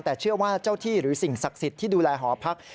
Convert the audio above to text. แต่เชื่อว่าเจ้าที่หรือสิ่งศักดิ์สิทธิ์ที่ดูแลหอพัก